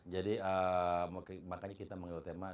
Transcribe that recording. jadi makanya kita mengeluh tema